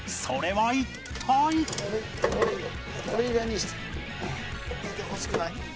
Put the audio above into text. それはいったい？］